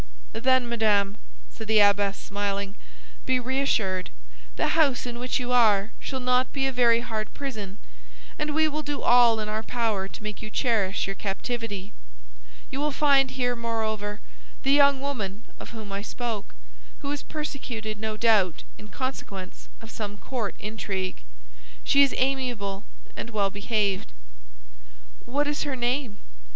"Then, madame," said the abbess, smiling, "be reassured; the house in which you are shall not be a very hard prison, and we will do all in our power to make you cherish your captivity. You will find here, moreover, the young woman of whom I spoke, who is persecuted, no doubt, in consequence of some court intrigue. She is amiable and well behaved." "What is her name?"